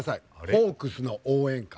ホークスの応援歌。